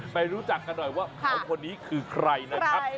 ไปรู้จักกันหน่อยว่าเขาคนนี้คือใครนะครับ